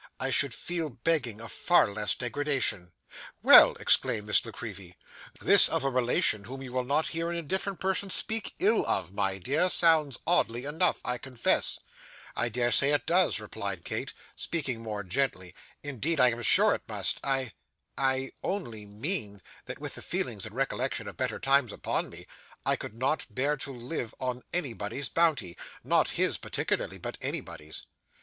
I should feel begging a far less degradation.' 'Well!' exclaimed Miss La Creevy. 'This of a relation whom you will not hear an indifferent person speak ill of, my dear, sounds oddly enough, I confess.' 'I dare say it does,' replied Kate, speaking more gently, 'indeed I am sure it must. I I only mean that with the feelings and recollection of better times upon me, I could not bear to live on anybody's bounty not his particularly, but anybody's.